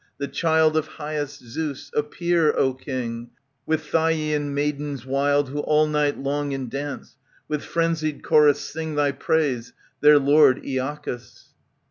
The child of highest Zeus ; appear, O king, "^ With Thyian maidens wild. Who all night long in dance. With frenzied chorus sing Thy praise, their lord, lacchos.